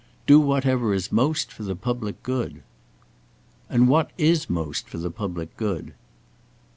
Do whatever is most for the public good." "And what is most for the public good?"